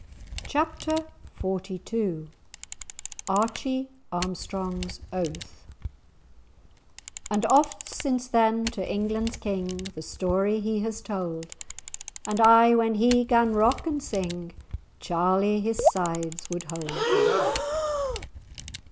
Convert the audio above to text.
*Chapter XLII* *Archie Armstrong's Oath* "And oft since then, to England's King, The story he has told; And aye, when he 'gan rock and sing, Charlie his sides would hold."